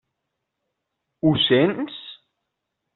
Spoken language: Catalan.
Ho sents?